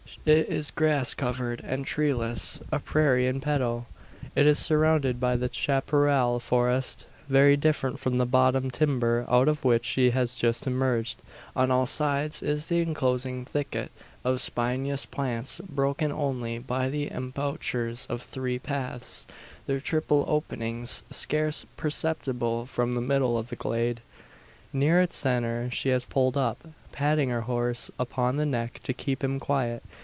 It is grass covered and treeless a prairie in petto. It is surrounded by the chapparal forest very different from the bottom timber out of which she has just emerged. On all sides is the enclosing thicket of spinous plants, broken only by the embouchures of three paths, their triple openings scarce perceptible from the middle of the glade. Near its centre she has pulled up, patting her horse upon the neck to keep him quiet.